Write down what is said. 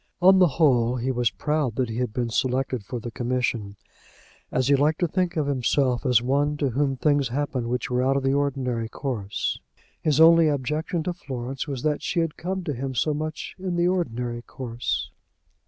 On the whole, he was proud that he had been selected for the commission, as he liked to think of himself as one to whom things happened which were out of the ordinary course. His only objection to Florence was that she had come to him so much in the ordinary course.